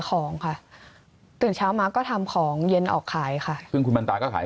ของค่ะตื่นเช้ามาก็ทำของเย็นออกขายค่ะซึ่งคุณบรรตาก็ขาย